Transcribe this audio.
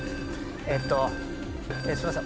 えっとすいません。